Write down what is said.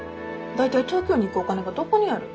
大体東京に行くお金がどこにある？